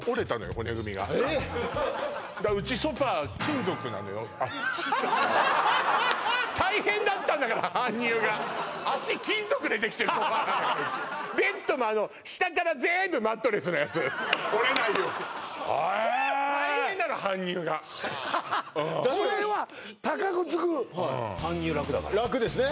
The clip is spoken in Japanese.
骨組みがだからウチソファ金属なのよ大変だったんだから搬入が脚金属でできてるソファなんだからウチベッドも下から全部マットレスのやつ折れないようにはえ大変なの搬入がうんそれは高くつく搬入ラクだからラクですね